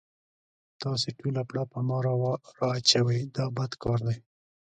تاسې ټوله پړه په ما را اچوئ دا بد کار دی.